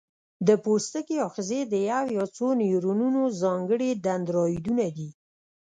د پوستکي آخذې د یو یا څو نیورونونو ځانګړي دندرایدونه دي.